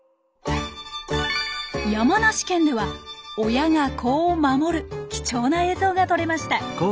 山梨県では親が子を守る貴重な映像が撮れました。